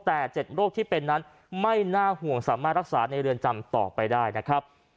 แต่๗โรคที่เป็นนั้นไม่น่าห่วงสามารถรักษาในเรือนจำต่อไปได้นะครับ